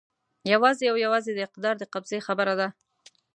یوازې او یوازې د اقتدار د قبضې خبره ده.